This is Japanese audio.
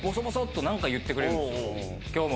「今日も」